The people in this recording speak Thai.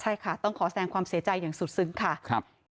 ใช่ค่ะต้องขอแสงความเสียใจอย่างสุดซึ้งค่ะครับ